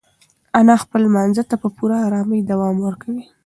انا خپل لمانځه ته په پوره ارامۍ دوام ورکوي.